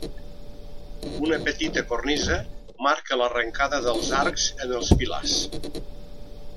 Una petita cornisa marca l'arrencada dels arcs en els pilars.